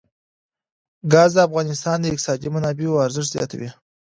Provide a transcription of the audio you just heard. ګاز د افغانستان د اقتصادي منابعو ارزښت زیاتوي.